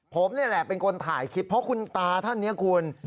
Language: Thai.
ผมนี่แหละเป็นคนถ่ายคลิปเพราะคุณตาท่านนี้คุณ